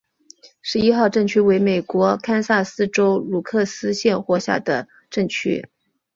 十一号镇区为美国堪萨斯州鲁克斯县辖下的镇区。